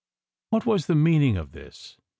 What was the meaning of this ?